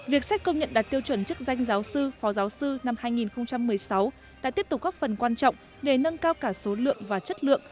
việc xét công nhận đạt tiêu chuẩn chức danh giáo sư phó giáo sư năm hai nghìn một mươi sáu đã tiếp tục góp phần quan trọng để nâng cao cả số lượng và chất lượng